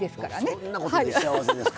そんなことで幸せですか？